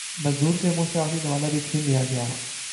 مزدور کے منہ سے آخری نوالہ بھی چھین لیا جائے